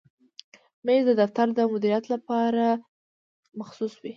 مېز د دفتر د مدیر لپاره مخصوص وي.